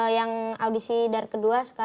yang audisi dari kedua